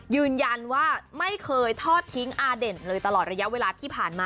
ยืนยันว่าไม่เคยทอดทิ้งอาเด่นเลยตลอดระยะเวลาที่ผ่านมา